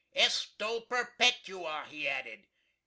"Esto perpetua!" he added!